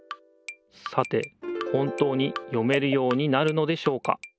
さて本当に読めるようになるのでしょうか？